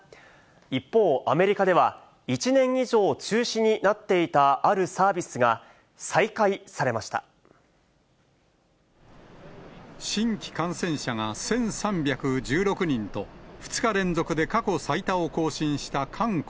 一方、アメリカでは１年以上、中止になっていたあるサービスが、再開さ新規感染者が１３１６人と、２日連続で過去最多を更新した韓国。